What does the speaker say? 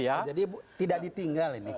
jadi tidak ditinggal ini